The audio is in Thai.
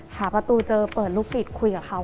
หาประตูเจอเปิดลูกติดคุยกับเขา